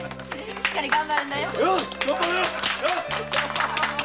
しっかり頑張るんだよ。